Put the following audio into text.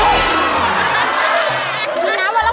น้ำมันแล้วขวา